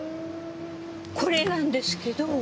これなんですけど。